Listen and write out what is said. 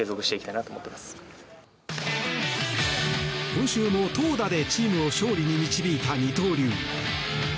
今週も投打でチームを勝利に導いた二刀流。